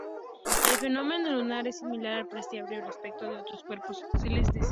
El fenómeno lunar es similar al apreciable respecto de otros cuerpos celestes.